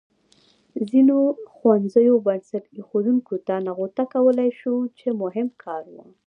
ځینو ښوونځیو بنسټ ایښودنې ته نغوته کولای شو چې مهم کار و.